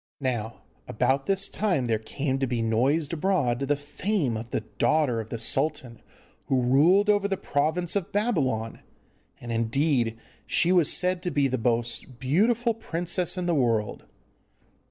Now about this time there came to be noised abroad the fame of the daughter of the sultan who ruled over the province of Babylon, and indeed she was said to be the most beautiful princess in the world.